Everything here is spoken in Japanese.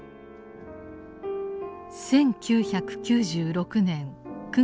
１９９６年９月２９日。